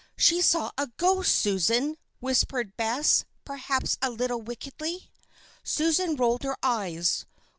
"She saw a ghost, Susan," whispered Bess, perhaps a little wickedly. Susan rolled her eyes.